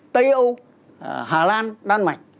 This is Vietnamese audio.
tây âu hà lan đan mạch